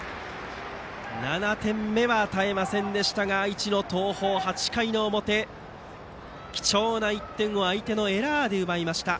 ７点目は与えませんでしたが愛知の東邦、８回の表貴重な１点を相手のエラーで奪いました。